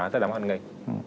rất là mạnh ngay